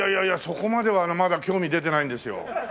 そこまではまだ興味出てないんですよ。